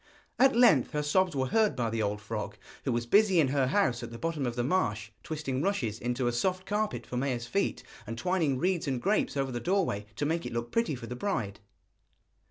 At length her sobs were heard by the old frog, who was busy in her house at the bottom of the marsh, twisting rushes into a soft carpet for Maia's feet, and twining reeds and grapes over the doorway, to make it look pretty for the bride.